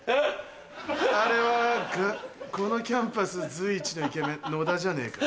あれはこのキャンパス随一のイケメン野田じゃねぇか。